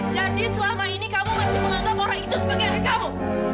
jadi selama ini kamu masih menganggap orang itu sebagai kamu